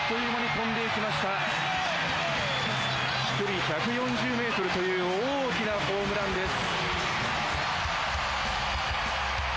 飛距離１４０ｍという大きなホームランです。